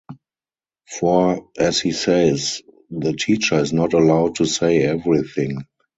For, as he says, the teacher is not allowed to say everything.